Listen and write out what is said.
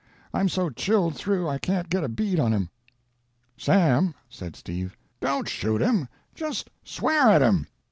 'I'm so chilled through I can't get a bead on him.' "'Sam,' said Steve, 'don't shoot him. Just swear at him.